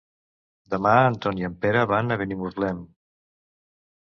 Demà en Ton i en Pere van a Benimuslem.